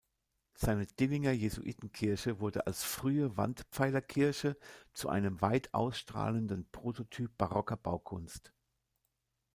Seine Dillinger Jesuitenkirche wurde als frühe Wandpfeilerkirche zu einem weit ausstrahlenden Prototyp barocker Baukunst.